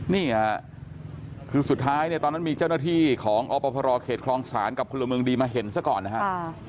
นี่ค่ะคือสุดท้ายเนี่ยตอนนั้นมีเจ้าหน้าที่ของอพรเขตคลองศาลกับพลเมืองดีมาเห็นซะก่อนนะครับ